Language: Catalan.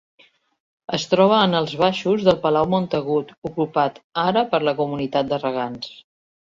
Es troba en els baixos del Palau Montagut, ocupat ara per la Comunitat de Regants.